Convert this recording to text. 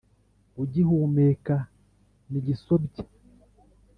ugihumeka ni gisobya